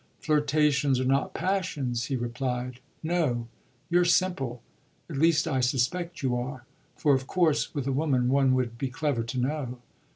"Flirtations are not passions," he replied. "No, you're simple at least I suspect you are; for of course with a woman one would be clever to know."